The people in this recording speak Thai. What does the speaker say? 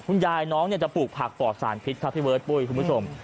น้องจะปลูกผักปลอดสารพิษครับพี่เบิร์ดปุ้ยคุณผู้ชม